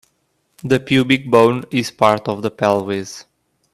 The pubic bone is part of the pelvis.